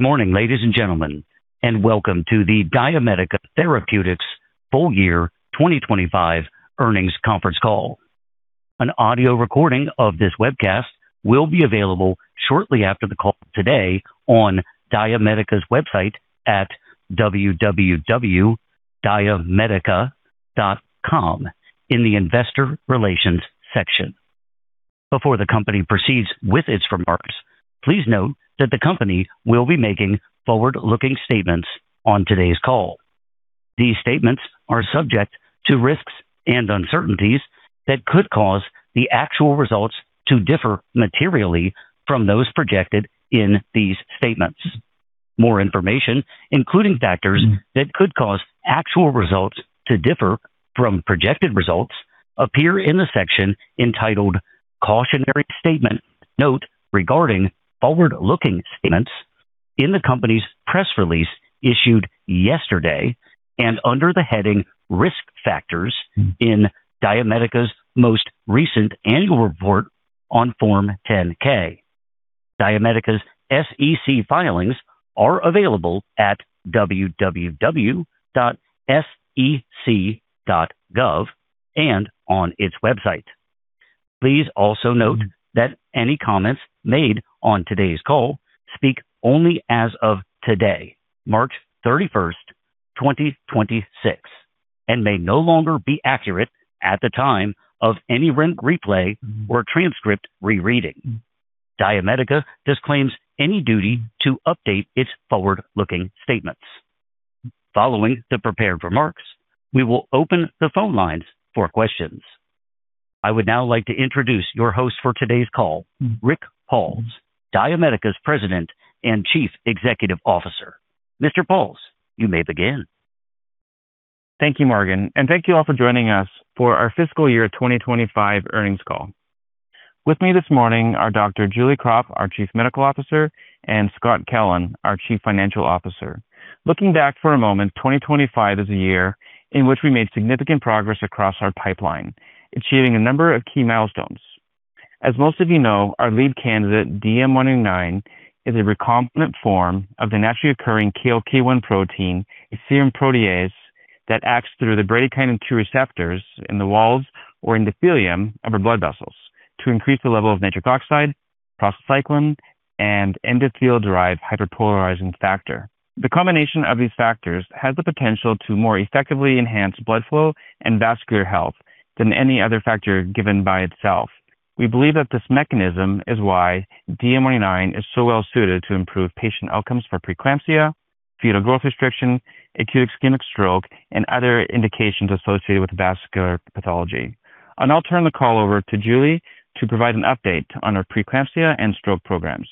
Morning, ladies and gentlemen, and welcome to the DiaMedica Therapeutics full year 2025 earnings conference call. An audio recording of this webcast will be available shortly after the call today on DiaMedica's website at www.diamedica.com in the Investor Relations section. Before the company proceeds with its remarks, please note that the company will be making forward-looking statements on today's call. These statements are subject to risks and uncertainties that could cause the actual results to differ materially from those projected in these statements. More information, including factors that could cause actual results to differ from projected results, appear in the section entitled "Cautionary Statement Note Regarding Forward-Looking Statements" in the company's press release issued yesterday and under the heading "Risk Factors" in DiaMedica's most recent annual report on Form 10-K. DiaMedica's SEC filings are available at www.sec.gov and on its website. Please also note that any comments made on today's call speak only as of today, March 31, 2026, and may no longer be accurate at the time of any replay or transcript rereading. DiaMedica disclaims any duty to update its forward-looking statements. Following the prepared remarks, we will open the phone lines for questions. I would now like to introduce your host for today's call, Rick Pauls, DiaMedica's President and Chief Executive Officer. Mr. Pauls, you may begin. Thank you, Morgan, and thank you all for joining us for our fiscal year 2025 earnings call. With me this morning are Dr. Julie Krop, our Chief Medical Officer, and Scott Kellen, our Chief Financial Officer. Looking back for a moment, 2025 is a year in which we made significant progress across our pipeline, achieving a number of key milestones. As most of you know, our lead candidate, DM199, is a recombinant form of the naturally occurring KLK1 protein, a serum protease that acts through the bradykinin B2 receptors in the walls or endothelium of our blood vessels to increase the level of nitric oxide, prostacyclin, and endothelium-derived hyperpolarizing factor. The combination of these factors has the potential to more effectively enhance blood flow and vascular health than any other factor given by itself. We believe that this mechanism is why DM199 is so well suited to improve patient outcomes for preeclampsia, fetal growth restriction, acute ischemic stroke, and other indications associated with vascular pathology. I'll turn the call over to Julie to provide an update on our preeclampsia and stroke programs.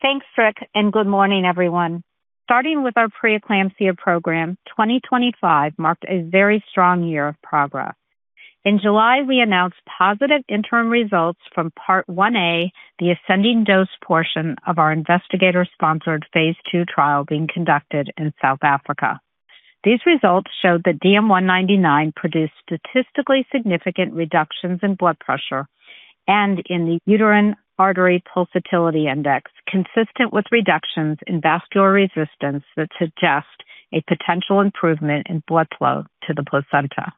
Thanks, Rick, and good morning, everyone. Starting with our preeclampsia program, 2025 marked a very strong year of progress. In July, we announced positive interim results from Part 1a, the ascending dose portion of our investigator-sponsored phase II trial being conducted in South Africa. These results showed that DM199 produced statistically significant reductions in blood pressure and in the uterine artery pulsatility index, consistent with reductions in vascular resistance that suggest a potential improvement in blood flow to the placenta.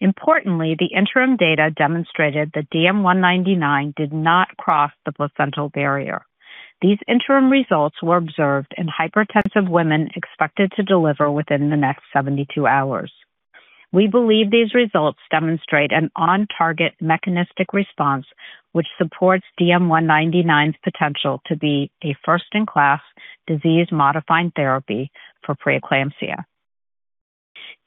Importantly, the interim data demonstrated that DM199 did not cross the placental barrier. These interim results were observed in hypertensive women expected to deliver within the next 72 hours. We believe these results demonstrate an on-target mechanistic response, which supports DM199's potential to be a first-in-class disease-modifying therapy for preeclampsia.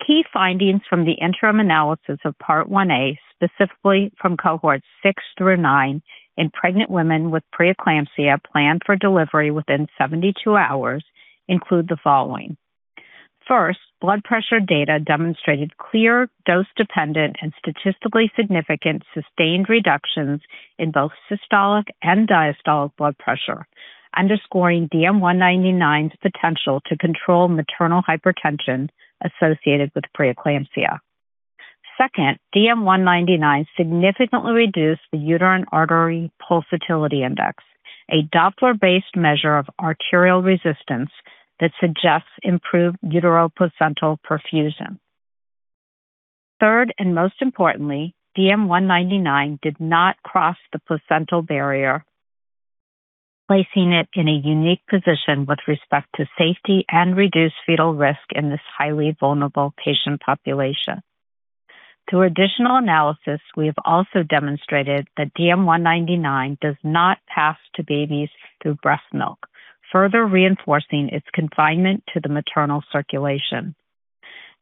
Key findings from the interim analysis of Part 1a, specifically from cohorts 6 through 9 in pregnant women with preeclampsia planned for delivery within 72 hours, include the following. First, blood pressure data demonstrated clear dose-dependent and statistically significant sustained reductions in both systolic and diastolic blood pressure, underscoring DM199's potential to control maternal hypertension associated with preeclampsia. Second, DM199 significantly reduced the uterine artery pulsatility index, a Doppler-based measure of arterial resistance that suggests improved uteroplacental perfusion. Third, and most importantly, DM199 did not cross the placental barrier, placing it in a unique position with respect to safety and reduced fetal risk in this highly vulnerable patient population. Through additional analysis, we have also demonstrated that DM199 does not pass to babies through breast milk, further reinforcing its confinement to the maternal circulation.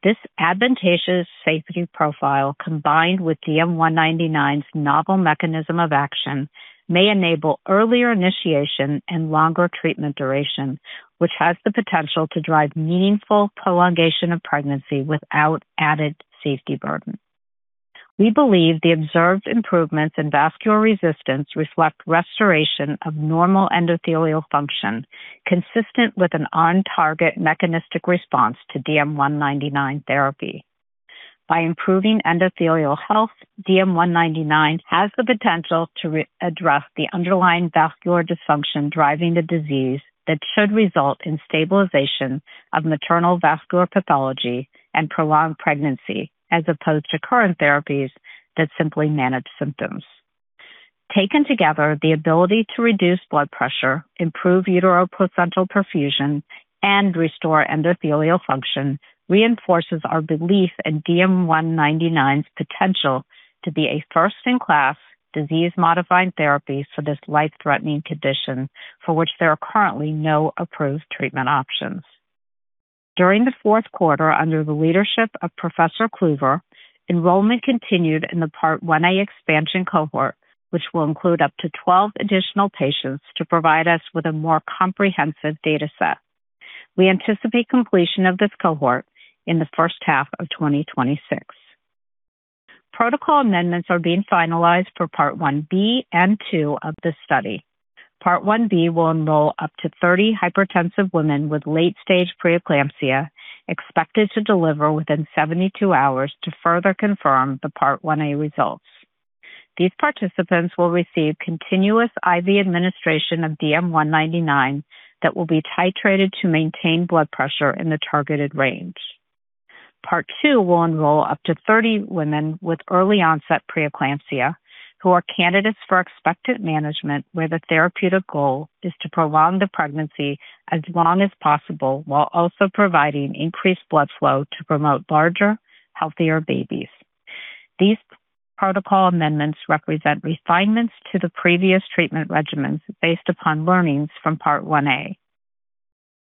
This advantageous safety profile, combined with DM199's novel mechanism of action, may enable earlier initiation and longer treatment duration, which has the potential to drive meaningful prolongation of pregnancy without added safety burden. We believe the observed improvements in vascular resistance reflect restoration of normal endothelial function consistent with an on-target mechanistic response to DM199 therapy. By improving endothelial health, DM199 has the potential to address the underlying vascular dysfunction driving the disease that should result in stabilization of maternal vascular pathology and prolonged pregnancy, as opposed to current therapies that simply manage symptoms. Taken together, the ability to reduce blood pressure, improve utero-placental perfusion, and restore endothelial function reinforces our belief in DM199's potential to be a first-in-class disease-modifying therapy for this life-threatening condition for which there are currently no approved treatment options. During the fourth quarter, under the leadership of Professor Cluver, enrollment continued in the Part 1a expansion cohort, which will include up to 12 additional patients to provide us with a more comprehensive data set. We anticipate completion of this cohort in the first half of 2026. Protocol amendments are being finalized for Part 1b and 2 of this study. Part 1b will enroll up to 30 hypertensive women with late-stage preeclampsia expected to deliver within 72 hours to further confirm the Part 1a results. These participants will receive continuous IV administration of DM199 that will be titrated to maintain blood pressure in the targeted range. Part 2 will enroll up to 30 women with early onset preeclampsia who are candidates for expectant management, where the therapeutic goal is to prolong the pregnancy as long as possible while also providing increased blood flow to promote larger, healthier babies. These protocol amendments represent refinements to the previous treatment regimens based upon learnings from Part 1a.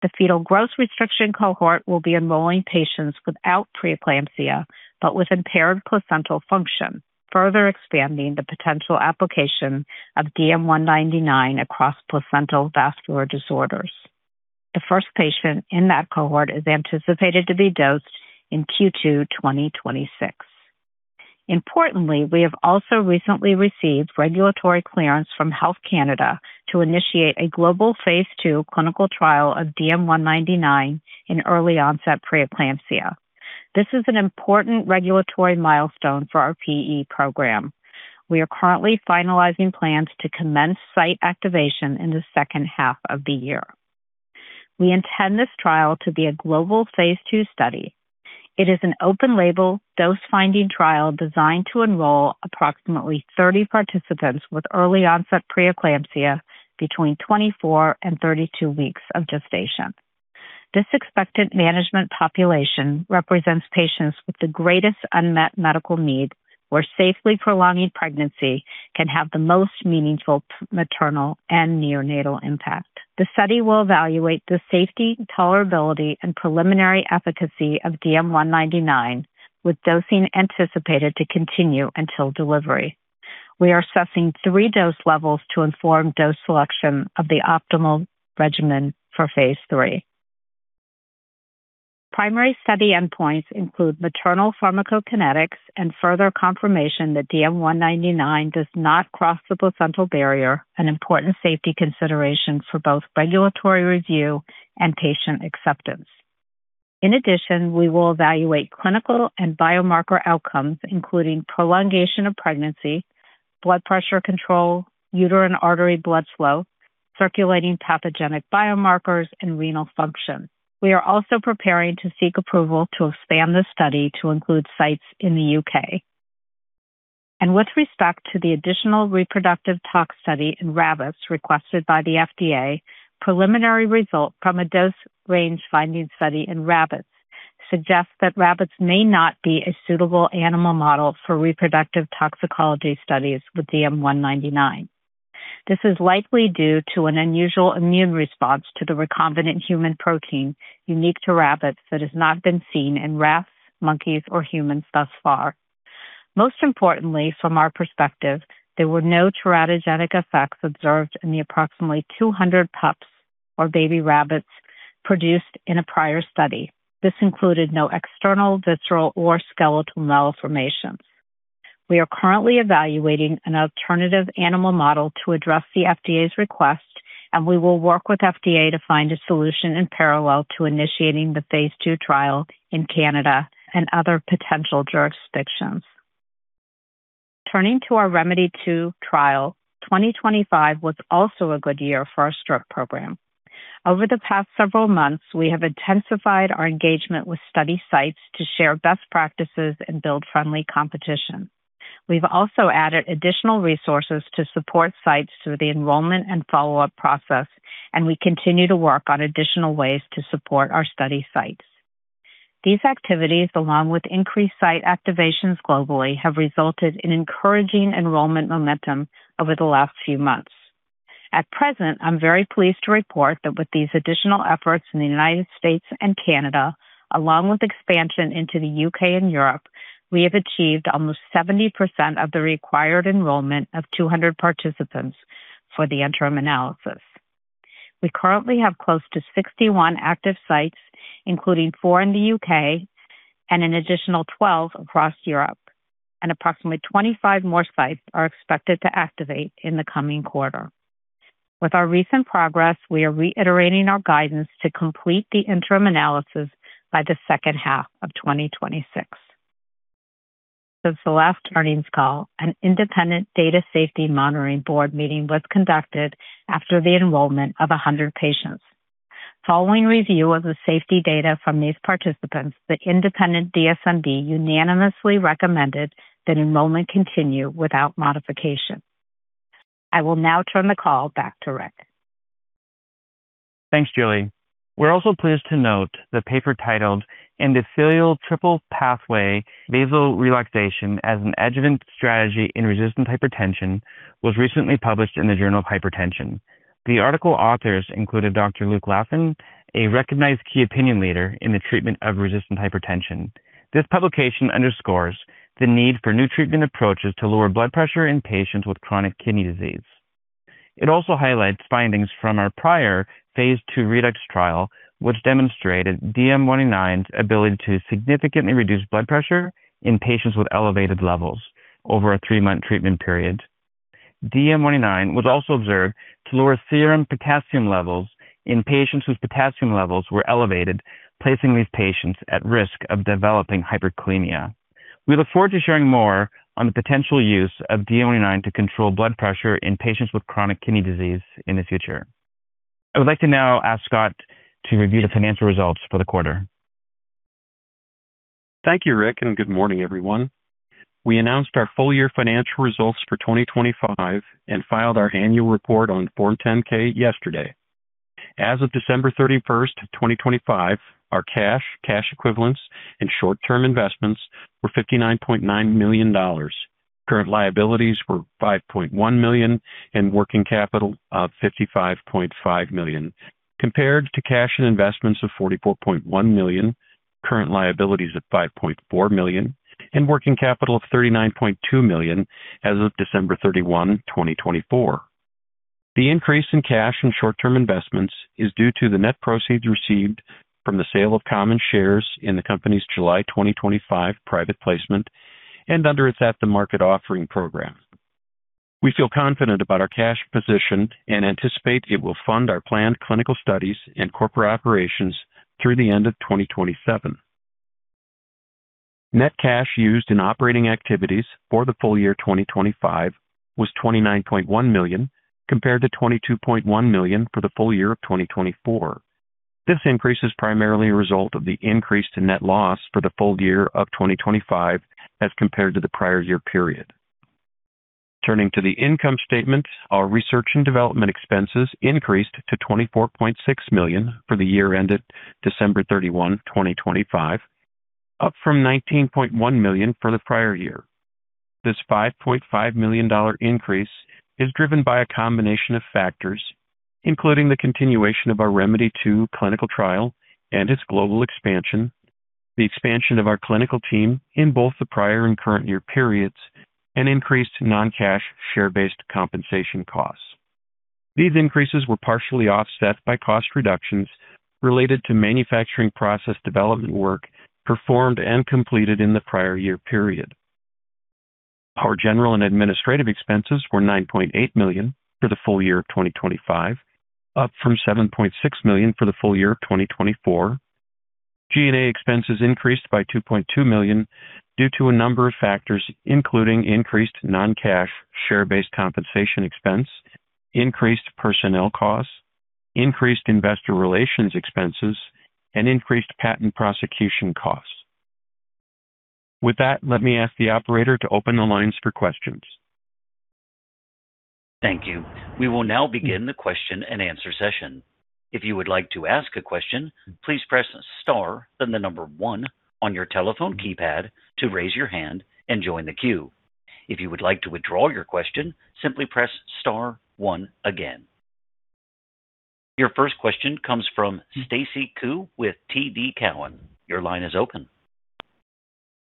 The fetal growth restriction cohort will be enrolling patients without preeclampsia but with impaired placental function, further expanding the potential application of DM199 across placental vascular disorders. The first patient in that cohort is anticipated to be dosed in Q2 2026. Importantly, we have also recently received regulatory clearance from Health Canada to initiate a global phase II clinical trial of DM199 in early onset preeclampsia. This is an important regulatory milestone for our PE program. We are currently finalizing plans to commence site activation in the second half of the year. We intend this trial to be a global phase II study. It is an open label dose-finding trial designed to enroll approximately 30 participants with early onset preeclampsia between 24 and 32 weeks of gestation. This expectant management population represents patients with the greatest unmet medical need, where safely prolonging pregnancy can have the most meaningful maternal and neonatal impact. The study will evaluate the safety, tolerability, and preliminary efficacy of DM199, with dosing anticipated to continue until delivery. We are assessing 3 dose levels to inform dose selection of the optimal regimen for phase III. Primary study endpoints include maternal pharmacokinetics and further confirmation that DM199 does not cross the placental barrier, an important safety consideration for both regulatory review and patient acceptance. In addition, we will evaluate clinical and biomarker outcomes, including prolongation of pregnancy, blood pressure control, uterine artery blood flow, circulating pathogenic biomarkers, and renal function. We are also preparing to seek approval to expand the study to include sites in the U.K. With respect to the additional reproductive tox study in rabbits requested by the FDA, preliminary result from a dose range finding study in rabbits suggests that rabbits may not be a suitable animal model for reproductive toxicology studies with DM199. This is likely due to an unusual immune response to the recombinant human protein unique to rabbits that has not been seen in rats, monkeys, or humans thus far. Most importantly, from our perspective, there were no teratogenic effects observed in the approximately 200 pups or baby rabbits produced in a prior study. This included no external, visceral, or skeletal malformations. We are currently evaluating an alternative animal model to address the FDA's request, and we will work with FDA to find a solution in parallel to initiating the phase II trial in Canada and other potential jurisdictions. Turning to our ReMEDy2 trial, 2025 was also a good year for our stroke program. Over the past several months, we have intensified our engagement with study sites to share best practices and build friendly competition. We've also added additional resources to support sites through the enrollment and follow-up process, and we continue to work on additional ways to support our study sites. These activities, along with increased site activations globally, have resulted in encouraging enrollment momentum over the last few months. At present, I'm very pleased to report that with these additional efforts in the United States and Canada, along with expansion into the U.K. and Europe, we have achieved almost 70% of the required enrollment of 200 participants for the interim analysis. We currently have close to 61 active sites, including 4 in the U.K. and an additional 12 across Europe, and approximately 25 more sites are expected to activate in the coming quarter. With our recent progress, we are reiterating our guidance to complete the interim analysis by the second half of 2026. Since the last earnings call, an independent Data Safety Monitoring Board meeting was conducted after the enrollment of 100 patients. Following review of the safety data from these participants, the independent DSMB unanimously recommended that enrollment continue without modification. I will now turn the call back to Rick. Thanks, Julie. We're also pleased to note the paper titled Endothelial Triple-Pathway Vasorelaxation as an Adjunctive Strategy in Resistant Hypertension was recently published in the Journal of Hypertension. The article authors included Dr. Luke Laffin, a recognized key opinion leader in the treatment of resistant hypertension. This publication underscores the need for new treatment approaches to lower blood pressure in patients with chronic kidney disease. It also highlights findings from our prior phase II REDUX trial, which demonstrated DM199's ability to significantly reduce blood pressure in patients with elevated levels over a three-month treatment period. DM199 was also observed to lower serum potassium levels in patients whose potassium levels were elevated, placing these patients at risk of developing hyperkalemia. We look forward to sharing more on the potential use of DM199 to control blood pressure in patients with chronic kidney disease in the future. I would like to now ask Scott to review the financial results for the quarter. Thank you, Rick, and good morning, everyone. We announced our full-year financial results for 2025 and filed our annual report on Form 10-K yesterday. As of December 31, 2025, our cash equivalents, and short-term investments were $59.9 million. Current liabilities were $5.1 million and working capital of $55.5 million, compared to cash and investments of $44.1 million, current liabilities of $5.4 million, and working capital of $39.2 million as of December 31, 2024. The increase in cash and short-term investments is due to the net proceeds received from the sale of common shares in the company's July 2025 private placement and under its at-the-market offering program. We feel confident about our cash position and anticipate it will fund our planned clinical studies and corporate operations through the end of 2027. Net cash used in operating activities for the full year 2025 was $29.1 million, compared to $22.1 million for the full year of 2024. This increase is primarily a result of the increase to net loss for the full year of 2025 as compared to the prior year period. Turning to the income statement, our research and development expenses increased to $24.6 million for the year ended December 31, 2025, up from $19.1 million for the prior year. This $5.5 million increase is driven by a combination of factors, including the continuation of our ReMEDy2 clinical trial and its global expansion, the expansion of our clinical team in both the prior and current year periods, and increased non-cash share-based compensation costs. These increases were partially offset by cost reductions related to manufacturing process development work performed and completed in the prior year period. Our general and administrative expenses were $9.8 million for the full year of 2025, up from $7.6 million for the full year of 2024. G&A expenses increased by $2.2 million due to a number of factors, including increased non-cash share-based compensation expense, increased personnel costs, increased investor relations expenses, and increased patent prosecution costs. With that, let me ask the operator to open the lines for questions. Thank you. We will now begin the question-and-answer session. If you would like to ask a question, please press star, then the number one on your telephone keypad to raise your hand and join the queue. If you would like to withdraw your question, simply press star one again. Your first question comes from Stacy Ku with TD Cowen. Your line is open.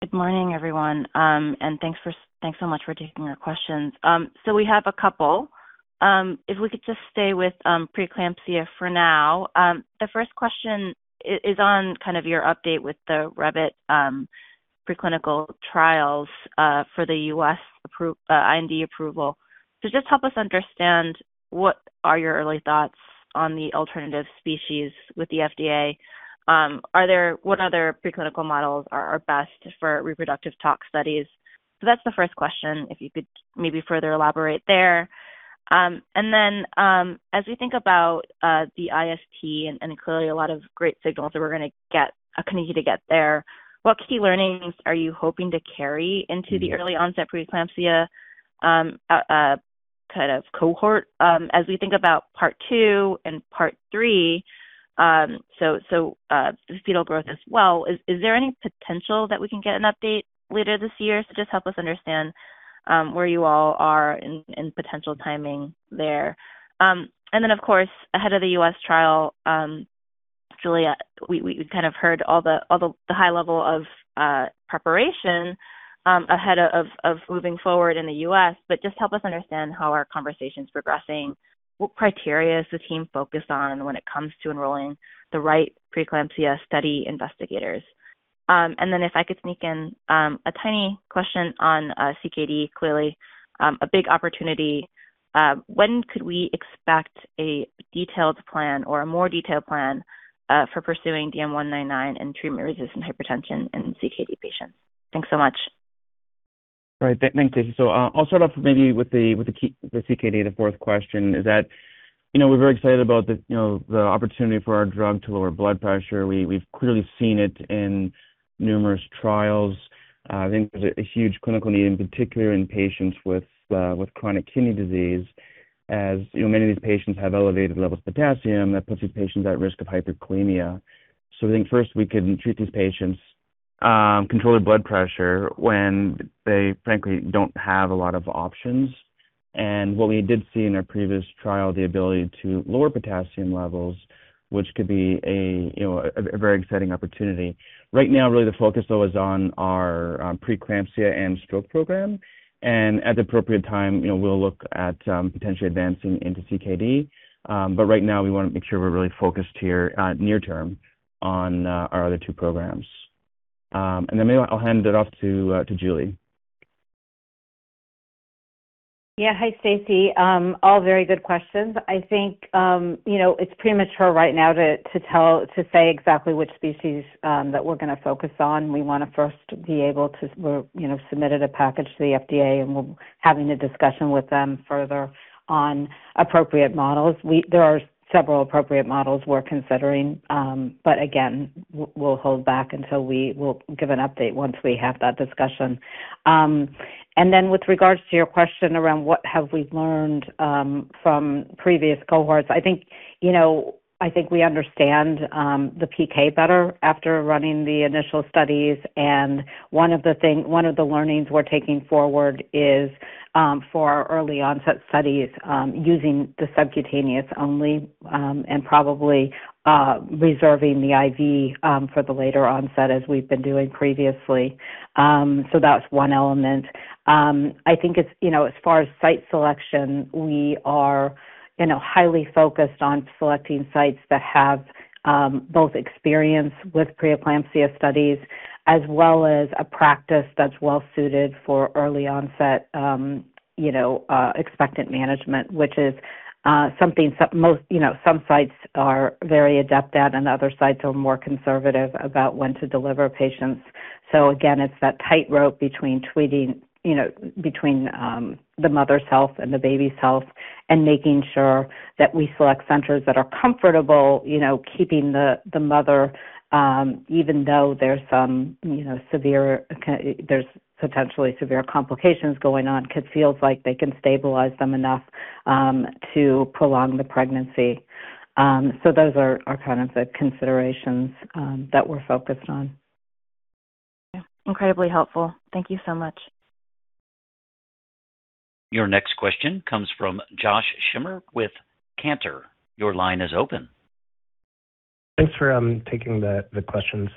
Good morning, everyone, and thanks so much for taking our questions. We have a couple. If we could just stay with preeclampsia for now. The first question is on kind of your update with the rabbit preclinical trials for the U.S. IND approval. Just help us understand what are your early thoughts on the alternative species with the FDA? What other preclinical models are best for reproductive tox studies? That's the first question, if you could maybe further elaborate there. As we think about the IST and clearly a lot of great signals that we're gonna get, continue to get there, what key learnings are you hoping to carry into the early onset preeclampsia kind of cohort as we think about Part 2 and Part 3, so fetal growth as well, is there any potential that we can get an update later this year? Just help us understand where you all are and potential timing there. Of course, ahead of the U.S. trial, Julie, we kind of heard all the high level of preparation ahead of moving forward in the U.S., but just help us understand how are conversations progressing, what criteria is the team focused on when it comes to enrolling the right preeclampsia study investigators? If I could sneak in a tiny question on CKD. Clearly, a big opportunity. When could we expect a detailed plan or a more detailed plan for pursuing DM199 in treatment-resistant hypertension in CKD patients? Thanks so much. Right. Thanks, Stacey. I'll start off maybe with the key, the CKD, the fourth question is that, you know, we're very excited about the opportunity for our drug to lower blood pressure. We've clearly seen it in numerous trials. I think there's a huge clinical need, in particular in patients with chronic kidney disease, as you know, many of these patients have elevated levels of potassium. That puts these patients at risk of hyperkalemia. I think first we can treat these patients, control their blood pressure when they frankly don't have a lot of options. What we did see in our previous trial, the ability to lower potassium levels, which could be a very exciting opportunity. Right now, really the focus, though, is on our preeclampsia and stroke program. At the appropriate time, you know, we'll look at potentially advancing into CKD, but right now we wanna make sure we're really focused here near term on our other two programs. Then maybe I'll hand it off to Julie. Yeah. Hi, Stacy. All very good questions. I think, you know, it's premature right now to say exactly which species that we're gonna focus on. We wanna first be able to. We have submitted a package to the FDA, and we're having a discussion with them further on appropriate models. There are several appropriate models we're considering, but again, we'll hold back until we give an update once we have that discussion. With regards to your question around what have we learned from previous cohorts, I think, you know, we understand the PK better after running the initial studies. One of the learnings we're taking forward is, for our early onset studies, using the subcutaneous only, and probably, reserving the IV, for the later onset as we've been doing previously. So that's one element. I think it's, you know, as far as site selection, we are, you know, highly focused on selecting sites that have, both experience with preeclampsia studies as well as a practice that's well suited for early onset, you know, expectant management, which is, something most, you know, some sites are very adept at and other sites are more conservative about when to deliver patients. Again, it's that tightrope between treating, you know, between the mother's health and the baby's health and making sure that we select centers that are comfortable, you know, keeping the mother even though there's some, you know, severe—there's potentially severe complications going on, they feel like they can stabilize them enough to prolong the pregnancy. Those are kind of the considerations that we're focused on. Yeah. Incredibly helpful. Thank you so much. Your next question comes from Josh Schimmer with Cantor. Your line is open. Thanks for taking the questions.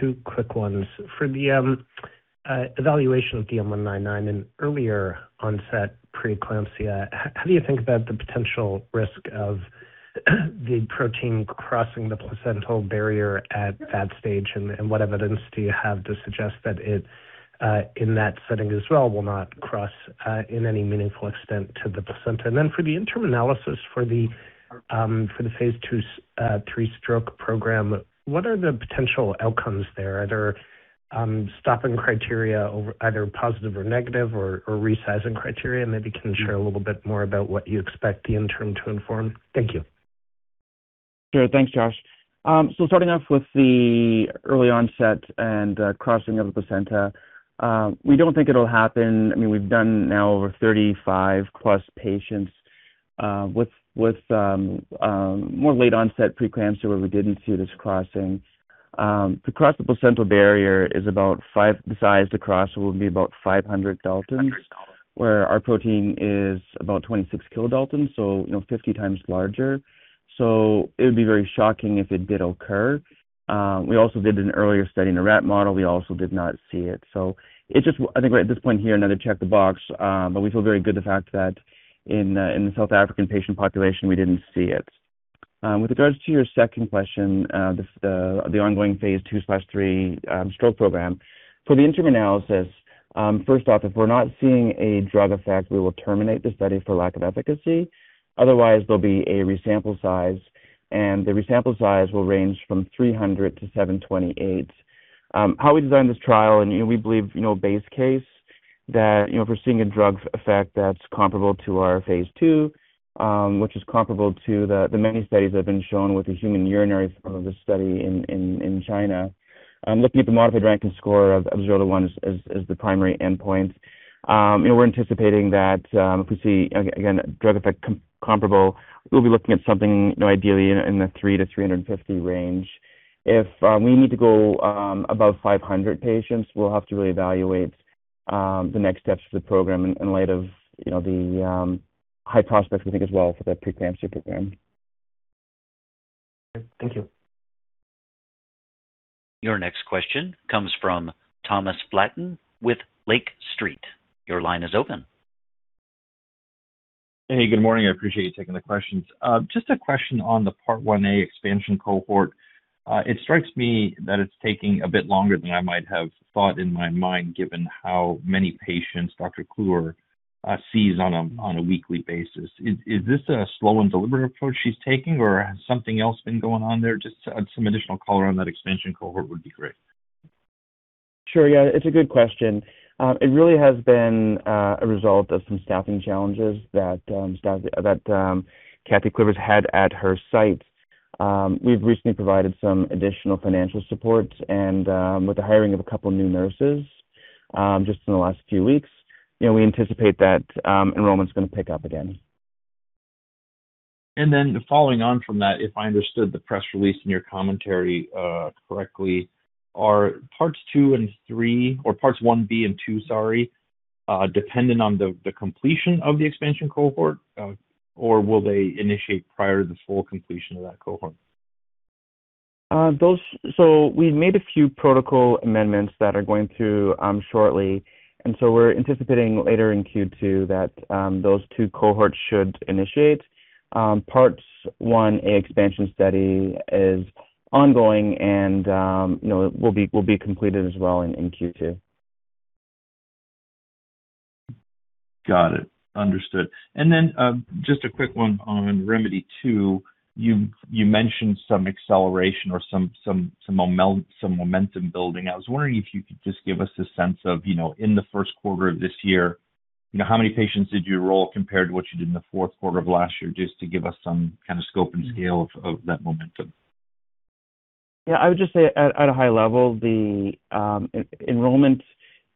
Two quick ones. For the evaluation of DM199 in earlier onset preeclampsia, how do you think about the potential risk of the protein crossing the placental barrier at that stage, and what evidence do you have to suggest that it in that setting as well will not cross in any meaningful extent to the placenta? Then for the interim analysis for the phase II/III stroke program, what are the potential outcomes there? Are there stopping criteria over either positive or negative or resizing criteria? Maybe you can share a little bit more about what you expect the interim to inform. Thank you. Sure. Thanks, Josh. So starting off with the early onset and crossing of the placenta, we don't think it'll happen. I mean, we've done now over 35+ patients with more late onset preeclampsia where we didn't see this crossing. The size to cross would be about 500 daltons. 500 daltons. Where our protein is about 26 kilodaltons, so, you know, 50 times larger. It would be very shocking if it did occur. We also did an earlier study in a rat model. We also did not see it. It just I think we're at this point here, another check the box, but we feel very good the fact that in the South African patient population, we didn't see it. With regards to your second question, the ongoing phase II/III stroke program. For the interim analysis, first off, if we're not seeing a drug effect, we will terminate the study for lack of efficacy. Otherwise, there'll be a resample size, and the resample size will range from 300-728. How we designed this trial and we believe, you know, base case that, you know, if we're seeing a drug effect that's comparable to our phase II, which is comparable to the many studies that have been shown with the human urinary the study in China. Looking at the modified Rankin Scale of 0-1 as the primary endpoint, and we're anticipating that, if we see again, drug effect comparable, we'll be looking at something, you know, ideally in the 300-350 range. If we need to go above 500 patients, we'll have to really evaluate the next steps for the program in light of, you know, the high prospects we think as well for the preeclampsia program. Thank you. Your next question comes from Thomas Flaten with Lake Street. Your line is open. Hey, good morning. I appreciate you taking the questions. Just a question on the Part 1a expansion cohort. It strikes me that it's taking a bit longer than I might have thought in my mind, given how many patients Dr. Cluver sees on a weekly basis. Is this a slow and deliberate approach she's taking or has something else been going on there? Just some additional color on that expansion cohort would be great. Sure. Yeah, it's a good question. It really has been a result of some staffing challenges that Catherine Cluver's had at her site. We've recently provided some additional financial support and with the hiring of a couple new nurses just in the last few weeks. You know, we anticipate that enrollment's gonna pick up again. Following on from that, if I understood the press release and your commentary correctly, are Parts 2 and 3 or Parts 1b and 2, sorry, dependent on the completion of the expansion cohort, or will they initiate prior to the full completion of that cohort? We've made a few protocol amendments that are going through shortly, and we're anticipating later in Q2 that those two cohorts should initiate. Parts 1a expansion study is ongoing and, you know, will be completed as well in Q2. Got it. Understood. Then, just a quick one on ReMEDy2. You mentioned some acceleration or some momentum building. I was wondering if you could just give us a sense of, you know, in the first quarter of this year, you know, how many patients did you enroll compared to what you did in the fourth quarter of last year, just to give us some kind of scope and scale of that momentum. Yeah. I would just say at a high level, the enrollment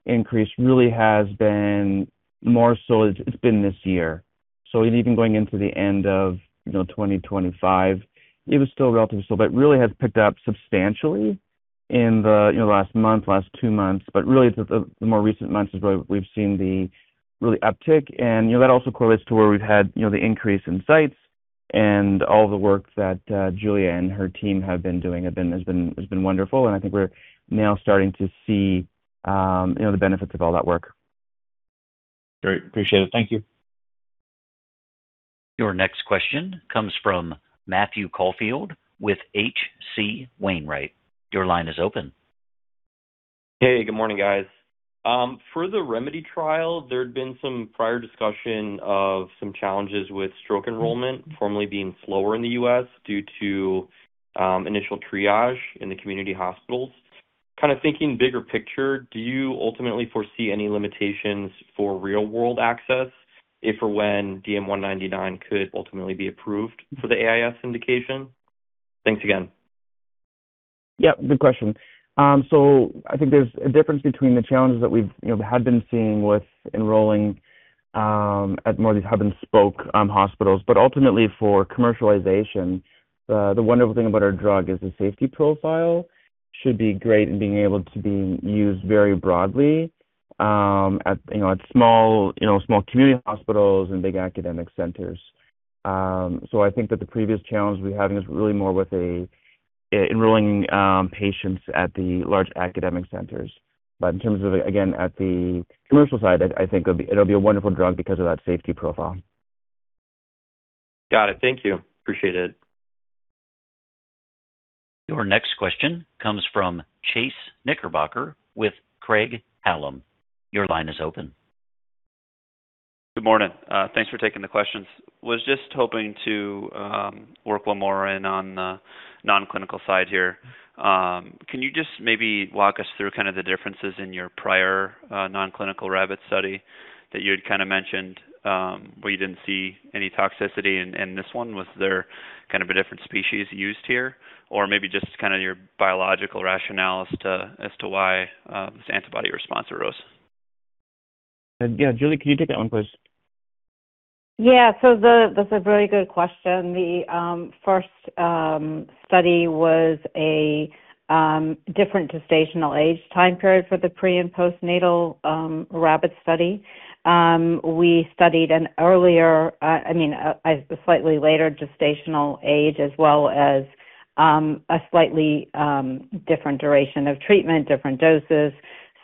increase really has been more so it's been this year. Even going into the end of, you know, 2025, it was still relatively slow, but really has picked up substantially in the, you know, last month, last two months. But really it's the more recent months is where we've seen the really uptick. You know, that also correlates to where we've had, you know, the increase in sites and all the work that Julie and her team have been doing has been wonderful. I think we're now starting to see, you know, the benefits of all that work. Great. Appreciate it. Thank you. Your next question comes from Matthew Caufield with H.C. Wainwright. Your line is open. Hey, good morning, guys. For the ReMEDy2 trial, there had been some prior discussion of some challenges with stroke enrollment formerly being slower in the U.S. due to initial triage in the community hospitals. Kind of thinking bigger picture, do you ultimately foresee any limitations for real-world access if or when DM199 could ultimately be approved for the AIS indication? Thanks again. Yeah, good question. So I think there's a difference between the challenges that we've, you know, had been seeing with enrolling at more of these hub-and-spoke hospitals. But ultimately for commercialization, the wonderful thing about our drug is the safety profile should be great in being able to be used very broadly at small community hospitals and big academic centers. So I think that the previous challenge we're having is really more with enrolling patients at the large academic centers. But in terms of, again, at the commercial side, I think it'll be a wonderful drug because of that safety profile. Got it. Thank you. Appreciate it. Your next question comes from Chase Knickerbocker with Craig-Hallum. Your line is open. Good morning. Thanks for taking the questions. Was just hoping to work one more in on the non-clinical side here. Can you just maybe walk us through kind of the differences in your prior non-clinical rabbit study that you had kind of mentioned, where you didn't see any toxicity in this one? Was there kind of a different species used here? Or maybe just kind of your biological rationale as to why this antibody response arose? Yeah. Julie, can you take that one, please? That's a very good question. The first study was a different gestational age time period for the pre and postnatal rabbit study. We studied an earlier, I mean, a slightly later gestational age as well as a slightly different duration of treatment, different doses.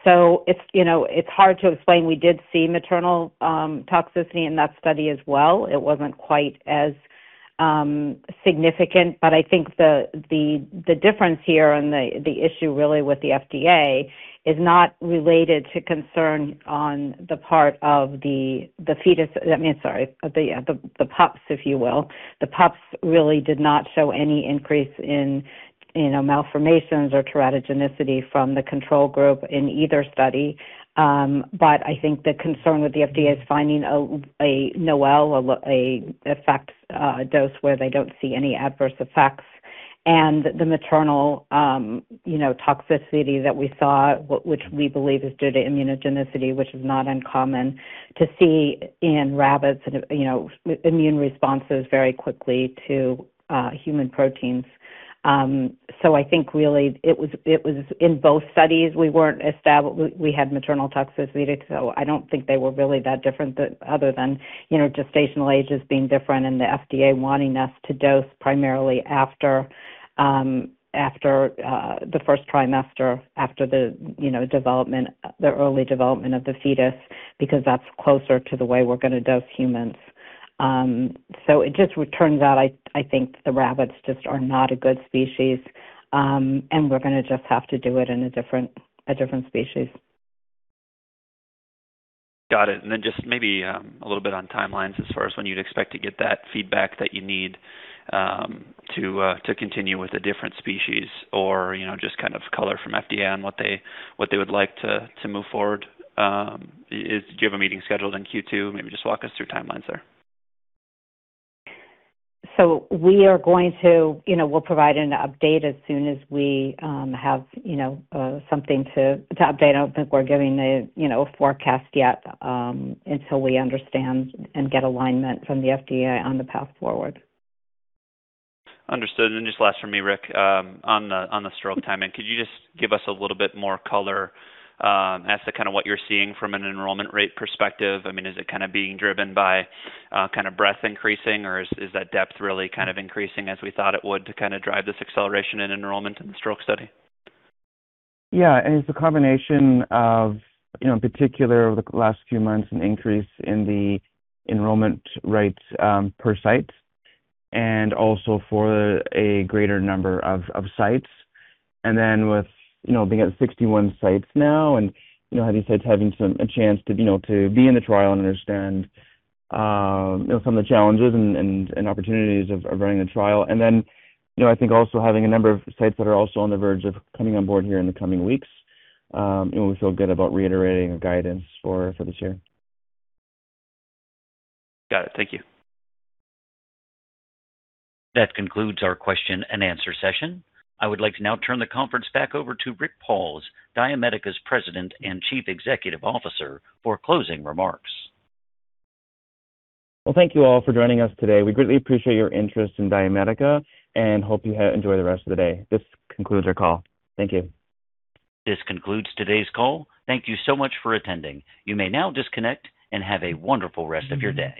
It's, you know, hard to explain. We did see maternal toxicity in that study as well. It wasn't quite as significant, but I think the difference here and the issue really with the FDA is not related to concern on the part of the fetus. I mean, sorry, the pups, if you will. The pups really did not show any increase in, you know, malformations or teratogenicity from the control group in either study. I think the concern with the FDA is finding a NOEL, an effective dose where they don't see any adverse effects. The maternal, you know, toxicity that we saw, which we believe is due to immunogenicity, which is not uncommon to see in rabbits and, you know, immune responses very quickly to human proteins. I think really it was in both studies we had maternal toxicity, so I don't think they were really that different other than, you know, gestational ages being different and the FDA wanting us to dose primarily after the first trimester, after the, you know, development, the early development of the fetus, because that's closer to the way we're gonna dose humans. It just turns out, I think the rabbits just are not a good species, and we're gonna just have to do it in a different species. Got it. Just maybe a little bit on timelines as far as when you'd expect to get that feedback that you need to continue with the different species or, you know, just kind of color from FDA on what they would like to move forward. Do you have a meeting scheduled in Q2? Maybe just walk us through timelines there. You know, we'll provide an update as soon as we have, you know, something to update. I don't think we're giving a, you know, forecast yet, until we understand and get alignment from the FDA on the path forward. Understood. Just last from me, Rick. On the stroke timing, could you just give us a little bit more color as to kinda what you're seeing from an enrollment rate perspective? I mean, is it kinda being driven by kinda breadth increasing, or is that depth really kind of increasing as we thought it would to kinda drive this acceleration in enrollment in the stroke study? Yeah. It's a combination of, you know, in particular, over the last few months, an increase in the enrollment rates per site, and also for a greater number of sites. Then with, you know, being at 61 sites now and, you know, having sites a chance to, you know, to be in the trial and understand, you know, some of the challenges and opportunities of running the trial. Then, you know, I think also having a number of sites that are also on the verge of coming on board here in the coming weeks, you know, we feel good about reiterating our guidance for this year. Got it. Thank you. That concludes our question and answer session. I would like to now turn the conference back over to Rick Pauls, DiaMedica's President and Chief Executive Officer, for closing remarks. Well, thank you all for joining us today. We greatly appreciate your interest in DiaMedica and hope you enjoy the rest of the day. This concludes our call. Thank you. This concludes today's call. Thank you so much for attending. You may now disconnect and have a wonderful rest of your day.